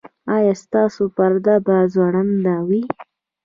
ایا ستاسو پرده به ځوړنده وي؟